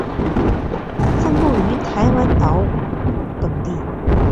分布于台湾岛等地。